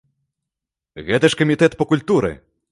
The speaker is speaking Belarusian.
Гэта ж камітэт па культуры!